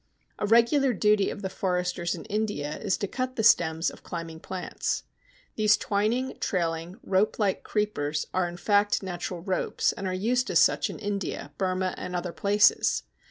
A regular duty of the foresters in India is to cut the stems of climbing plants. These twining, trailing, rope like creepers are, in fact, natural ropes, and are used as such in India, Burma, and other places.